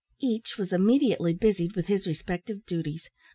Each was immediately busied with his respective duties.